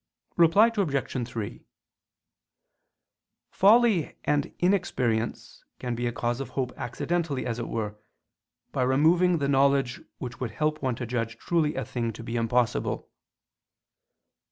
Reply Obj. 3: Folly and inexperience can be a cause of hope accidentally as it were, by removing the knowledge which would help one to judge truly a thing to be impossible.